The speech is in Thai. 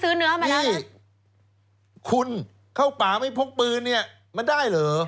เนื้อมาให้คุณเข้าป่าไม่พกปืนเนี่ยมันได้เหรอ